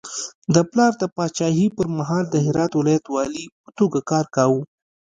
د پلار د پاچاهي پر مهال د هرات ولایت والي په توګه کار کاوه.